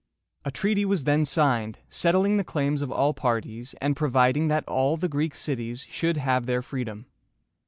A treaty was then signed, settling the claims of all parties, and providing that all the Greek cities should have their freedom.